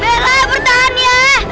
bella bertahan ya